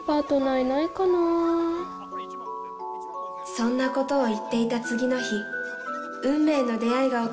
「そんなことを言っていた次の日運命の出会いが訪れるのです」